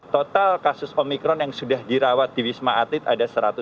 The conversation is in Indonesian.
total kasus omikron yang sudah dirawat di wisma atlet ada satu ratus tujuh puluh